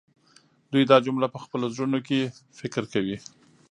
دوی دا جمله په خپلو زړونو کې فکر کوي